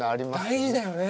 大事だよね。